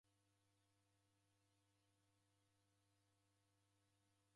W'ew'ona w'iluye hachi raw'o.